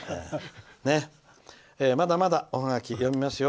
まだまだ、おハガキ読みますよ。